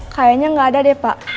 kayanya gak ada deh pak